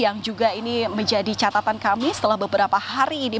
yang juga ini menjadi catatan kami setelah beberapa hari ini